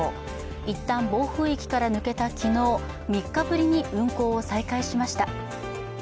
一旦、暴風域から抜けた昨日３日ぶりに運航を再開しました。